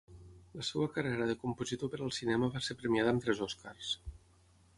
La seva carrera de compositor per al cinema va ser premiada amb tres Oscars.